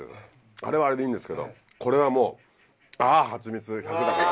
あれはあれでいいんですけどこれはもうあハチミツ１００だから。